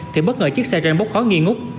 thì bất ngờ chiếc xe ran bốc khó nghi ngút